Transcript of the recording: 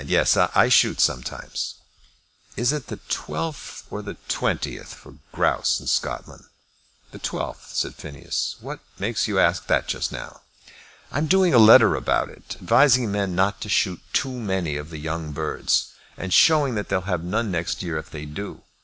Yes, I shoot sometimes." "Is it the 12th or 20th for grouse in Scotland?" "The 12th," said Phineas. "What makes you ask that just now?" "I'm doing a letter about it, advising men not to shoot too many of the young birds, and showing that they'll have none next year if they do.